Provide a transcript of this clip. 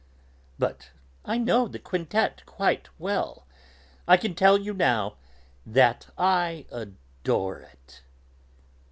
"But I know that quintet quite well. I can tell you now that I adore it."